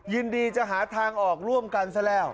ยินดีจะหาทางออกร่วมกันซะแล้ว